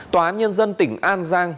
tòa án nhân dân tỉnh an giang